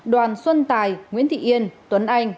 đoàn xuân tài nguyễn thị yên tuấn anh